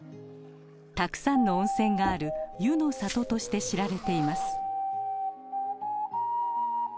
たくさんの温泉がある湯の里として知られています。